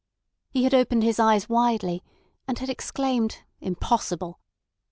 He had opened his eyes widely, and had exclaimed "Impossible!"